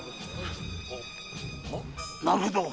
なるほど。